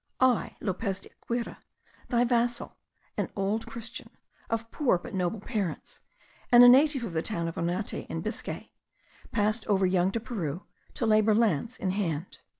I, Lopez de Aguirre, thy vassal, an old Christian, of poor but noble parents, and a native of the town of Onate in Biscay, passed over young to Peru, to labour lance in hand.